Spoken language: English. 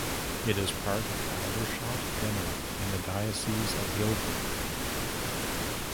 It is part of Aldershot Deanery in the Diocese of Guildford.